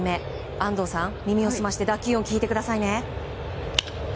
安藤さん、耳を澄まして打球音をお聞きください。